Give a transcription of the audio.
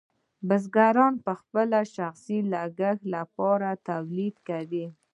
بزګرانو به د خپل شخصي لګښت لپاره تولید کاوه.